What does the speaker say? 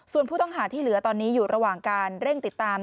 ส่วนผู้ต้องหาที่เหลือตอนนี้อยู่ระหว่างการเร่งติดตาม